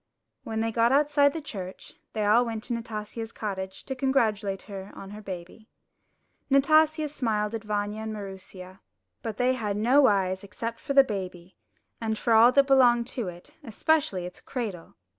When they got outside the church, they all went to Nastasia' s cottage to congratulate her on her baby. Nastasia smiled at Vanya and Maroosia; but they 227 MY BOOK HOUSE had no eyes except for the baby, and for all that belonged to it, especially its cradle.